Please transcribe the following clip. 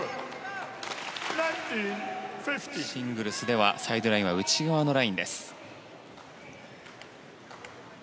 シングルスでは、サイドラインは内側のラインです。